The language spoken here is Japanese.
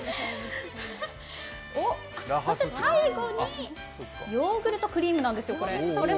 最後にヨーグルトクリームなんですよ、これ。